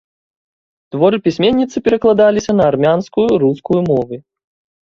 Творы пісьменніцы перакладаліся на армянскую, рускую мовы.